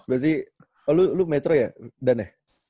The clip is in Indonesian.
berarti lu metro ya dan ya